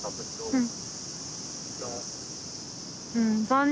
うん。